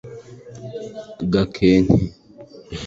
Gakenke